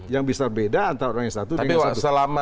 yang bisa beda antara orang yang berpengalaman